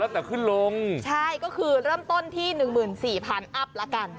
แล้วแต่ขึ้นลงใช่ก็คือเริ่มต้นที่๑๔๐๐อัพละกัน